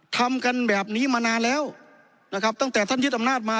ทำกันแบบนี้มานานแล้วนะครับตั้งแต่ท่านยึดอำนาจมา